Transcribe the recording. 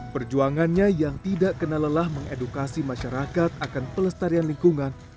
perjuangannya yang tidak kena lelah mengedukasi masyarakat akan pelestarian lingkungan